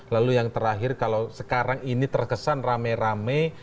lalu yang terakhir kalau sekarang ini terkesan rame rame